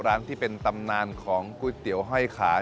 ร้านที่เป็นตำนานของก๋วยเตี๋ยวห้อยขา